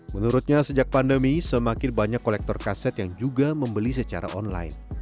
menurutnya sejak pandemi semakin banyak kolektor kaset yang juga membeli secara online